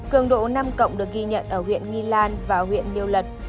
cường độ năm cộng được ghi nhận ở huyện nghi lan và huyện điều lật